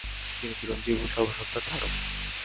তিনি চিরঞ্জীব ও সর্বসত্তার ধারক।